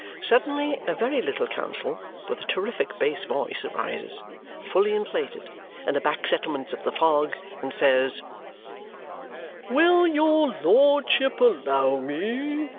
Suddenly a very little counsel with a terrific bass voice arises, fully inflated, in the back settlements of the fog, and says, "Will your lordship allow me?